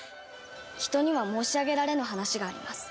人には申し上げられぬ話があります。